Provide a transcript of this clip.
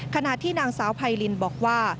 ขณะที่นางสาวไพรินบอกว่า